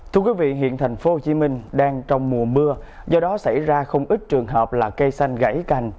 thưa quý vị hiện thành phố hồ chí minh đang trong mùa mưa do đó xảy ra không ít trường hợp là cây xanh gãy cành